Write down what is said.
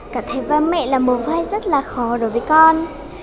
cả thấy vai mẹ là một vai rất là khó đối với con